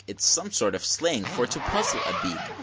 "It's some sort of slang for to puzzle a Beak!"